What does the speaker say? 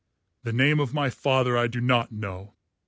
The name of my father I do not know.